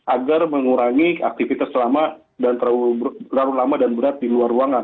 agar mengurangi aktivitas selama dan terlalu lama dan berat di luar ruangan